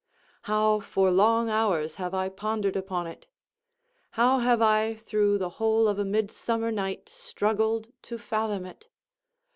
How for long hours have I pondered upon it! How have I, through the whole of a midsummer night, struggled to fathom it!